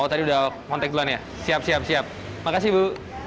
oh tadi udah kontak bulan ya siap siap makasih bu